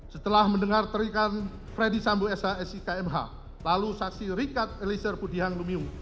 setelah mendengar terikan freddy sambu sh sik mh lalu saksi rikat elisir budiang lumiu